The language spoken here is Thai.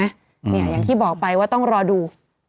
อย่างที่บอกไปว่าต้องรอดู